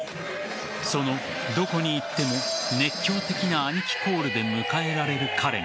そのどこに行っても熱狂的なアニキコールで迎えられる彼が